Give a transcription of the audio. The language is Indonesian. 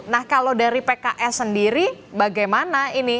nah kalau dari pks sendiri bagaimana ini